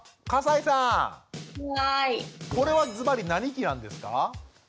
これはズバリ何期なんですか？